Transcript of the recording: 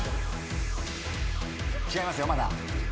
違いますよまだ。